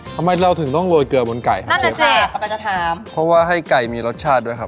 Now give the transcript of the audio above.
ทำไมเราถึงต้องโรยเกลือบนไก่เพราะว่าให้ไก่มีรสชาติด้วยครับ